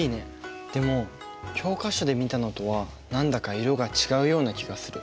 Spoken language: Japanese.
でも教科書で見たのとは何だか色が違うような気がする。